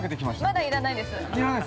◆まだ要らないです。